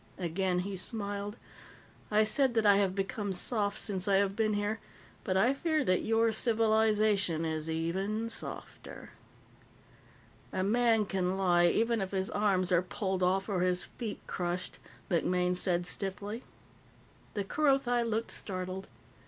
Again he smiled. "I said that I have become soft since I have been here, but I fear that your civilization is even softer." "A man can lie, even if his arms are pulled off or his feet crushed," MacMaine said stiffly. The Kerothi looked startled.